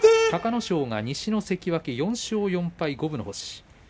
隆の勝は西の関脇、４勝４敗五分の星。